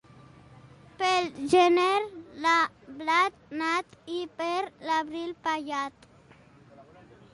Pel gener el blat nat, i per l'abril, pallat.